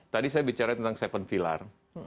tadi saya bicara tentang seven pillar